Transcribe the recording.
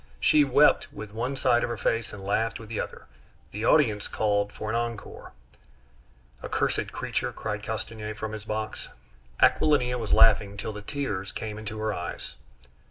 She wept with one side of her face, and laughed with the other. The audience called for an encore. "Accursed creature!" cried Castanier from his box. Aquilina was laughing till the tears came into her eyes.